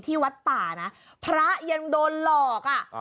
ที่วัดป่านะพระยังโดนหลอก